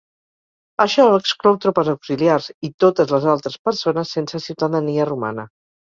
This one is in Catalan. Això exclou tropes auxiliars i totes les altres persones sense ciutadania romana.